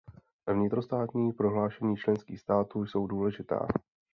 Vnitrostátní prohlášení členských států jsou důležitá.